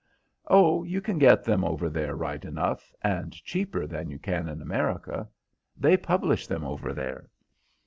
"Oh, you can get them over there right enough, and cheaper than you can in America. They publish them over there."